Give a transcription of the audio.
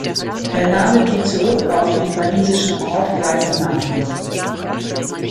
Der Name geht zurück auf den walisischen Ort gleichen Namens.